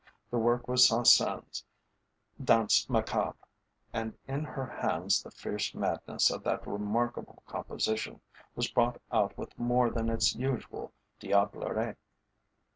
The work was Saint Saën's "Danse Macabre," and in her hands the fierce madness of that remarkable composition was brought out with more than its usual diablerie.